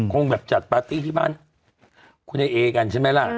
คงแบบจัดปาร์ตี้ที่บ้านคุณเอกันใช่ไหมล่ะ